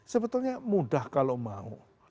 sebetulnya mudah kalau mau